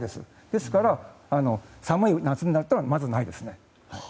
ですから、寒い夏になったらまずないですね。